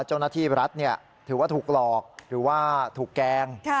เจ้าหน้าที่รัฐถือว่าถูกหลอกหรือว่าถูกแกล้ง